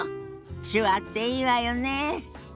手話っていいわよねえ。